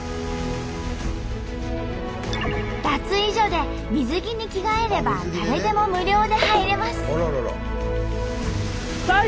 脱衣所で水着に着替えれば誰でも無料で入れます。